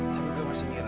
tapi gue masih ngira